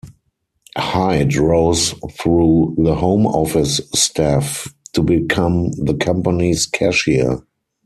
Hyde rose through the home office staff to become the company's cashier.